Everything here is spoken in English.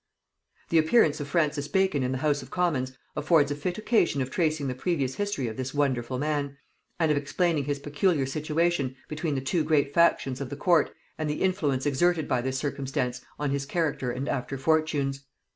The appearance of Francis Bacon in the house of commons affords a fit occasion of tracing the previous history of this wonderful man, and of explaining his peculiar situation between the two great factions of the court and the influence exerted by this circumstance on his character and after fortunes.